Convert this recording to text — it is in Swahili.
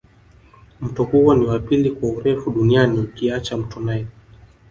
Mto huo ni wa pili kwa urefu duniani ukiacha mto nile